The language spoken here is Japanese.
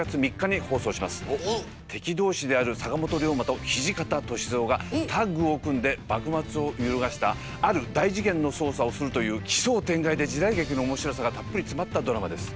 敵同士である坂本龍馬と土方歳三がタッグを組んで幕末を揺るがしたある大事件の捜査をするという奇想天外で時代劇の面白さがたっぷり詰まったドラマです。